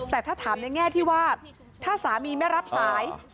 แต่ถ้าถามในแง่ที่ว่าถ้าสามีไม่รับสาย